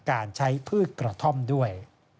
การใช้พืชกระท่อมด้วย